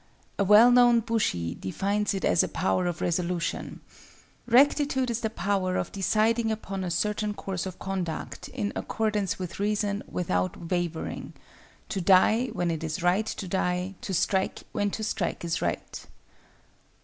A well known bushi defines it as a power of resolution;—"Rectitude is the power of deciding upon a certain course of conduct in accordance with reason, without wavering;—to die when it is right to die, to strike when to strike is right."